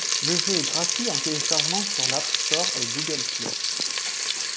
Le jeu est gratuit en téléchargement sur l'App Store et Google Play.